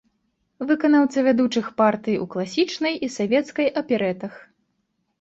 Выканаўца вядучых партый у класічнай і савецкай аперэтах.